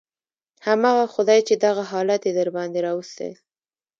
همغه خداى چې دغه حالت يې درباندې راوستى.